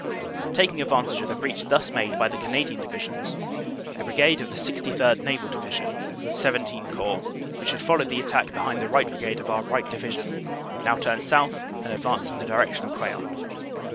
"Taking advantage of the breach thus made by the Cana dian Divisions, a Brigade of the 63rd. (Naval) Division, XVII Corps, which had followed the attack behind the right Brigade of our right Division, now turned south and advanced in the direction of Queant.